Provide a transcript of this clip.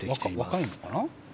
若いのかな？